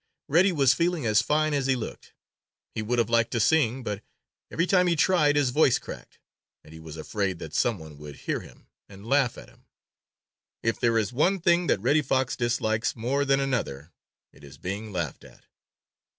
Reddy was feeling as fine as he looked. He would have liked to sing, but every time he tried his voice cracked, and he was afraid that some one would hear him and laugh at him. If there is one thing that Reddy Fox dislikes more than another, it is being laughed at.